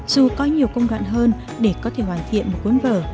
dù có nhiều công đoạn hơn để có thể hoàn thiện một cuốn vở